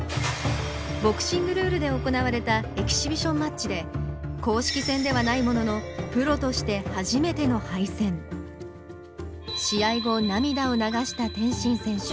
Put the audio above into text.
ボクシングルールで行われたエキシビションマッチで公式戦ではないものの試合後涙を流した天心選手。